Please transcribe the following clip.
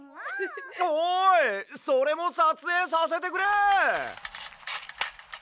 おいそれもさつえいさせてくれ！